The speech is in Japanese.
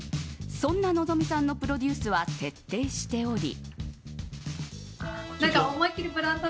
そんな希さんのプロデュースは徹底しており。